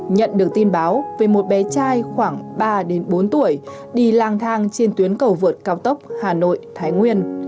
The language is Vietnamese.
nhận được tin báo về một bé trai khoảng ba bốn tuổi đi lang thang trên tuyến cầu vượt cao tốc hà nội thái nguyên